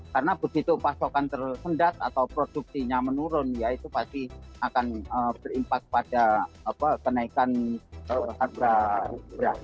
karena begitu pasokan tersendat atau produksinya menurun ya itu pasti akan berimpas pada kenaikan harga beras